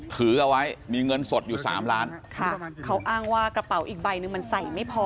ถือเอาไว้มีเงินสดอยู่สามล้านค่ะเขาอ้างว่ากระเป๋าอีกใบหนึ่งมันใส่ไม่พอ